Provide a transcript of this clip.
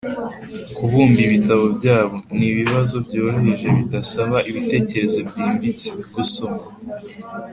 kubumba ibitabo byabo. Ni ibibazo byoroheje bidasaba ibitekerezo byimbitse. Gusoma